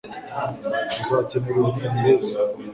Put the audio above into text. uzakenera urufunguzo